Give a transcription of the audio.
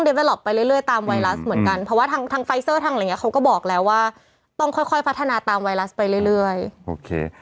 หัวเราะไม่ได้หัวเราะ๒คนเนี้ยนะ